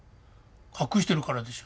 隠してるからでしょ」